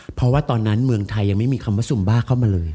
เพราะว่าตอนนั้นเมืองไทยยังไม่มีคำว่าซุมบ้าเข้ามาเลย